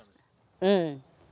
うん。